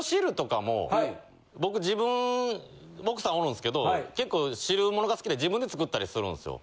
僕自分奥さんおるんですけど結構汁物が好きで自分で作ったりするんですよ。